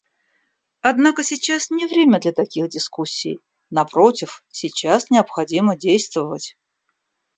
Однако сейчас не время для таких дискуссий; напротив, сейчас необходимо действовать.